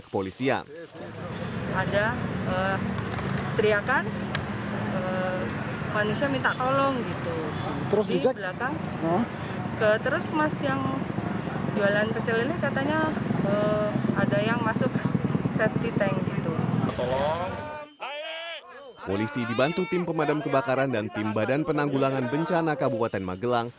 polisi dibantu tim pemadam kebakaran dan tim badan penanggulangan bencana kabupaten magelang